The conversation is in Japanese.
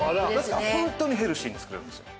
ホントにヘルシーに作れるんですよ。